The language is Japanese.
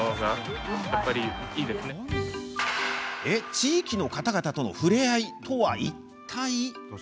地域の方々との触れ合いとはいったい？